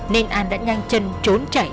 nên anh đã nhanh chân trốn chạy